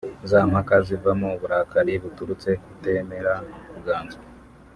za mpaka zivamo uburakari buturutse ku kutemera kuganzwa